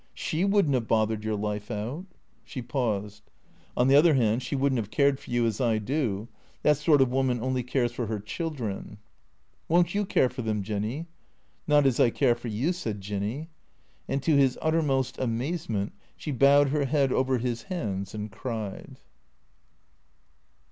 She wouldn't have bothered your life out." She paused. " On the other hand, she would n't have cared for you as I do. That sort of woman only cares for her children." " Won't you care for them. Jinny ?"" ISTot as I care for you," said Jinny. And to his uttermost amazement she bowed her head over his hands and cried.